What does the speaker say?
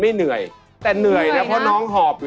ดีมากดีมากดีมาก